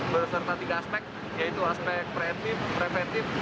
beserta tiga aspek yaitu aspek preventif preventif